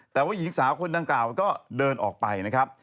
แต่ว่าหญิงสาวคนดังกล่าวก็เดินออกไปนะครับ